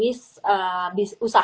jadi aku juga bisa berharap bisa